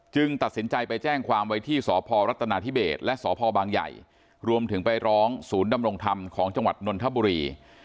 ตัดสินใจไปแจ้งความไว้ที่สพรัฐนาธิเบสและสพบางใหญ่รวมถึงไปร้องศูนย์ดำรงธรรมของจังหวัดนนทบุรี